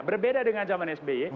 berbeda dengan zaman sby